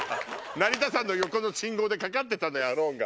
成田山の横の信号でかかってたのよ『ＡＬＯＮＥ』が。